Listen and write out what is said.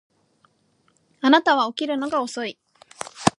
あなたは起きるのが遅い